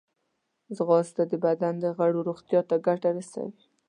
ځغاسته د بدن د غړو روغتیا ته ګټه رسوي